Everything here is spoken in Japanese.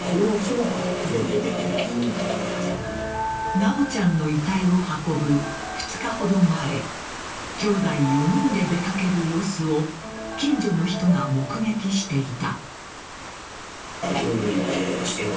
修ちゃんの遺体を運ぶ２日ほど前きょうだい４人で出掛ける様子を近所の人が目撃していた。